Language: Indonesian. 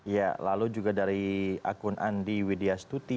ya lalu juga dari akun andi widya stuti